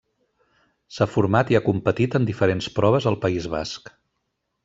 S'ha format i ha competit en diferents proves al País Basc.